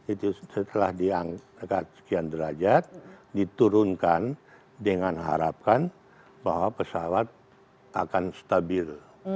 itu setelah diangkat sekian derajat diturunkan dengan harapan bahwa pesawat akan stabil